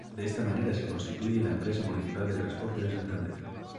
De esta manera se constituye la Empresa Municipal de Transporte de Santander.